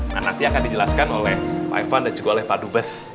nah nanti akan dijelaskan oleh pak ivan dan juga oleh pak dubes